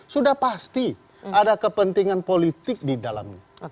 sudah pasti ada kepentingan politik di dalamnya